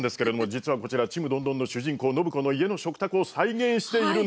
実はこれ「ちむどんどん」の主人公暢子の家の食卓を再現しているんです。